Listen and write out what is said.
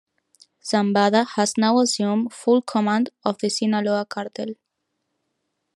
Zambada has now assumed full command of the Sinaloa Cartel.